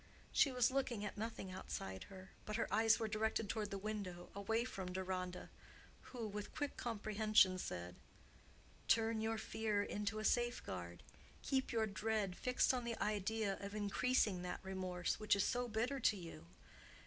She was looking at nothing outside her; but her eyes were directed toward the window, away from Deronda, who, with quick comprehension said, "Turn your fear into a safeguard. Keep your dread fixed on the idea of increasing that remorse which is so bitter to you.